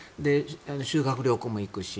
修学旅行も行くし。